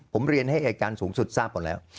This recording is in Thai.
ผมเรียนให้อายการสูงสุดทราบหมดแล้ว